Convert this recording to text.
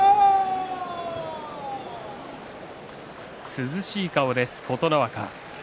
涼しい顔です、琴ノ若。